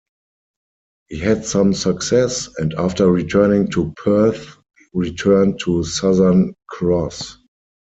He had some success, and after returning to Perth, returned to Southern Cross.